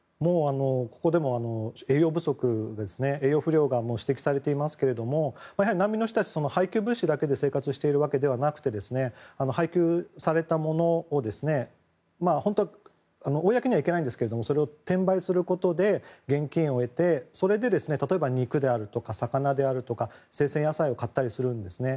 ここでも栄養不足栄養不良が指摘されていますけども難民の人たちは配給物資だけで生活しているわけではなくて配給されたものを本当はいけないんですがそれを転売することで現金を得てそれで例えば肉や魚であるとか生鮮野菜を買ったりするんですね。